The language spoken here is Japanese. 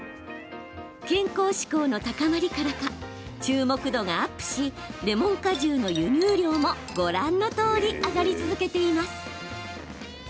健康志向の高まりからか注目度がアップしレモン果汁の輸入量もご覧のとおり上がり続けています。